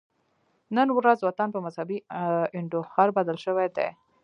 نن ورځ وطن په مذهبي انډوخر بدل شوی دی